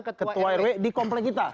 ketua rw di komplek kita